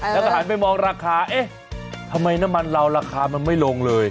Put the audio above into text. แล้วก็หันไปมองราคาเอ๊ะทำไมน้ำมันเราราคามันไม่ลงเลย